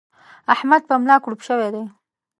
احمد پر ملا کړوپ شوی دی.